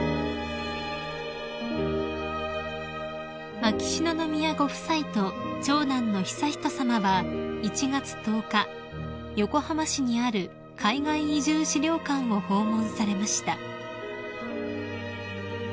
［秋篠宮ご夫妻と長男の悠仁さまは１月１０日横浜市にある海外移住資料館を訪問されました］